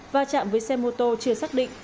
va chạm với xe mô tô chưa xác định